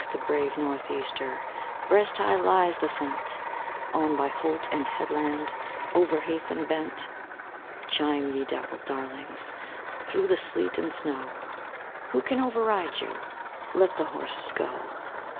The brave North easter! Breast high lies the scent, On by holt and headland, Over heath and bent. Chime, ye dappled darlings, Through the sleet and snow. Who can over ride you? Let the horses go!